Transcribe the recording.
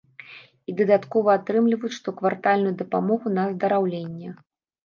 І дадаткова атрымліваюць штоквартальную дапамогу на аздараўленне.